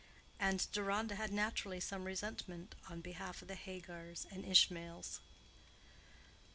And Deronda had naturally some resentment on behalf of the Hagars and Ishmaels.